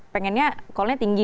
pengennya callnya tinggi